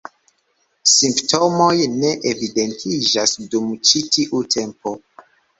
Simptomoj ne evidentiĝas dum ĉi tiu tempo.